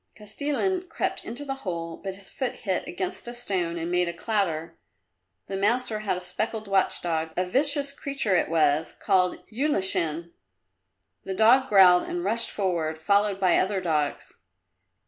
Kostilin crept into the hole, but his foot hit against a stone and made a clatter. The master had a speckled watch dog a vicious creature it was, called Ulashin. The dog growled and rushed forward, followed by other dogs.